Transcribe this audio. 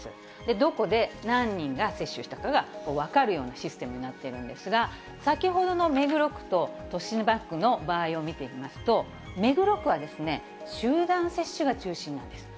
どこで、何人が接種したかが、分かるようなシステムになっているんですが、先ほどの目黒区と豊島区の場合を見てみますと、目黒区は、集団接種が中心なんです。